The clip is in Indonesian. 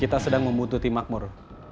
kita sedang membutuhkan makmur